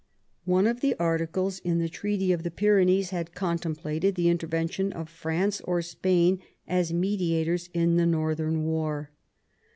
One of the articles in the Treaty of the Pyrenees had contemplated the intervention of France or Spain as mediators in the northern war.